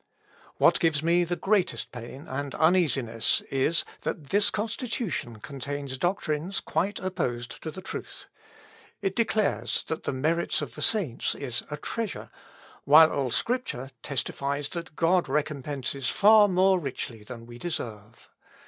"What gives me the greatest pain and uneasiness is, that this Constitution contains doctrines quite opposed to the truth. It declares that the merits of the saints is a treasure, while all Scripture testifies that God recompenses far more richly than we deserve.